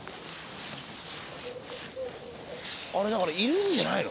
あれだからいるんじゃないの？